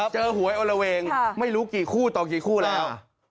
หวยโอละเวงไม่รู้กี่คู่ต่อกี่คู่แล้ว